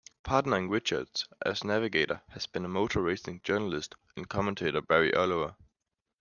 Partnering Richards as navigator has been motor racing journalist and commentator Barry Oliver.